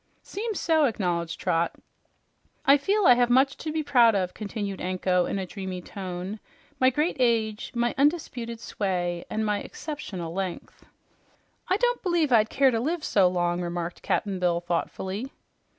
"Seems so," acknowledged Trot. "I feel I have much to be proud of," continued Anko in a dreamy tone. "My great age, my undisputed sway, and my exceptional length." "I don't b'lieve I'd care to live so long," remarked Cap'n Bill thoughtfully.